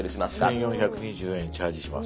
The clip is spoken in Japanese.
「１，４２４円チャージします」。